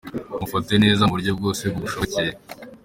Mufate neza mu buryo bwose bugushobokeye.